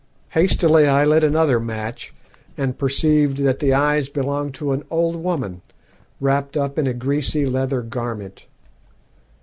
"Hastily I lit another match, and perceived that the eyes belonged to an old woman, wrapped up in a greasy leather garment.